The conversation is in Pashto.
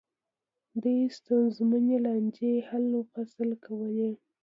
دوی ستونزمنې لانجې حل و فصل کولې.